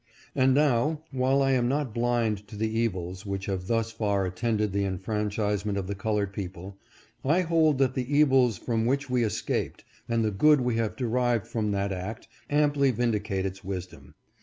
And now while I am not blind to the evils which have thus far attended the enfranchisement of the colored people, I hold that the evils from which we escaped, and the good we have derived from that act, amply vindicate its wisdom.